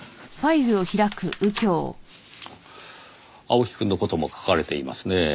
青木くんの事も書かれていますねぇ。